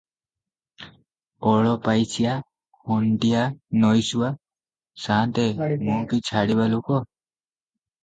ଅଳପାଇସିଆ; ଖଣ୍ତିଆ ନଈଶୁଆ! ସାଆନ୍ତେ ମୁଁ କି ଛାଡ଼ିବା ଲୋକ?